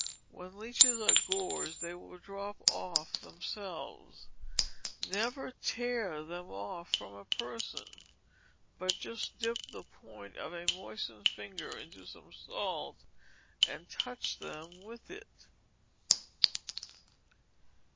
When leeches are gorged they will drop off themselves; never tear them off from a person, but just dip the point of a moistened finger into some salt and touch them with it.